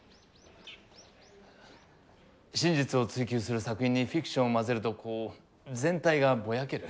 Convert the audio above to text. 真実を追求する作品にフィクションを混ぜるとこう全体がぼやける。